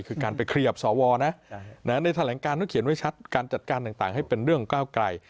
คือการไปเคลียบศวนะในแถวละเงินการเขียนไว้ชัดการจัดการต่างให้เป็นเรื่องของก้าวไกล